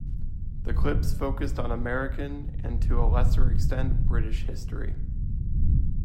The clips focused on American, and to a lesser extent, British history.